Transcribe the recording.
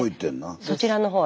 そちらの方へ？